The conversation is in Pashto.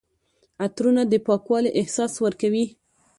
عطرونه د پاکوالي احساس ورکوي.